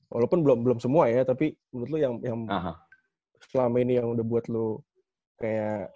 walaupun belum semua ya tapi menurut lu yang selama ini yang udah buat lu kayak